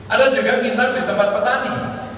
ada juga pintar di tempat petani